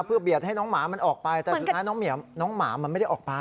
เพื่อเบียดให้น้องหมามันออกไปแต่สุดท้ายน้องหมามันไม่ได้ออกไป